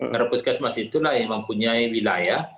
karena puskesmas itulah yang mempunyai wilayah